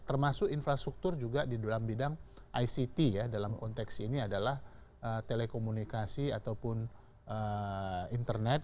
termasuk infrastruktur juga di dalam bidang ict ya dalam konteks ini adalah telekomunikasi ataupun internet